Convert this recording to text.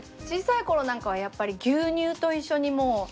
小さい頃なんかはやっぱり牛乳と一緒にもう。